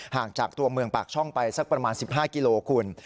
ห่างจากตัวเมืองปากช่องไปสักประมาณ๑๕กิโลคุณ